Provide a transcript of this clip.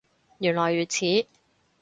原來如此